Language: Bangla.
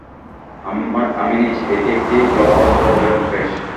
আমি নিশ্চিত এটি একটি ব্লকবাস্টার হবে মুকেশ।